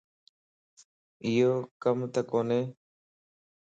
ايو ڪمت ڪوني